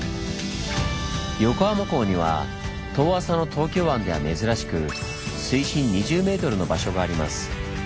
横浜港には遠浅の東京湾では珍しく水深２０ｍの場所があります。